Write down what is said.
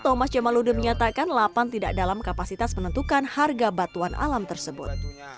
thomas jamaludin menyatakan lapan tidak dalam kapasitas menentukan harga batuan alam tersebut